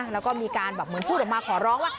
แล้วก็มีการแบบเหมือนพูดออกมาขอร้องว่า